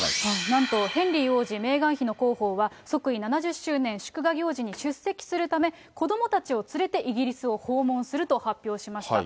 なんとヘンリー王子・メーガン妃の広報は、即位７０周年祝賀行事に出席するため、子どもたちを連れて、イギリスを訪問すると発表しました。